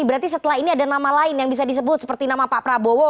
berarti setelah ini ada nama lain yang bisa disebut seperti nama pak prabowo